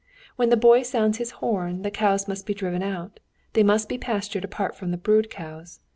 When the boy sounds his horn the cows must be driven out; they must be pastured apart from the brood cows.